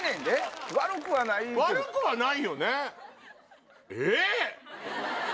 悪くはないよね。